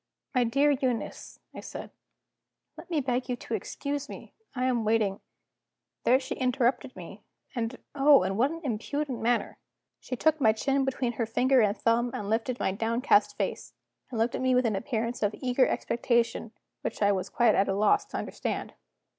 "My dear Eunice," I said, "let me beg you to excuse me. I am waiting " There she interrupted me and, oh, in what an impudent manner! She took my chin between her finger and thumb, and lifted my downcast face, and looked at me with an appearance of eager expectation which I was quite at a loss to understand.